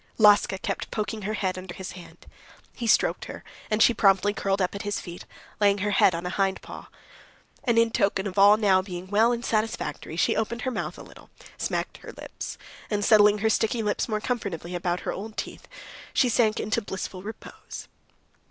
Laska kept poking her head under his hand. He stroked her, and she promptly curled up at his feet, laying her head on a hindpaw. And in token of all now being well and satisfactory, she opened her mouth a little, smacked her lips, and settling her sticky lips more comfortably about her old teeth, she sank into blissful repose.